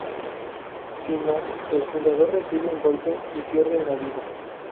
Si no, el jugador recibe un golpe y pierde una vida.